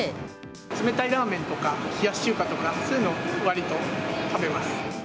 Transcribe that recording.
冷たいラーメンとか、冷やし中華とか、そういうの、わりと食べます。